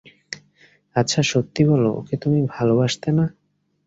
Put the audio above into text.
আচ্ছা, সত্যি বলো, ওকে তুমি ভালোবাসতে না?